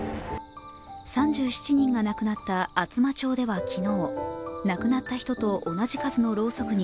３７人が亡くなった厚真町では昨日、亡くなった人と同じ数のろうそくに